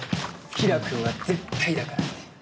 平良君は絶対だからって。